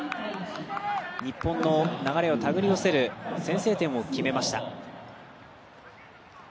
日本の流れをたぐり寄せる先制点を決めました。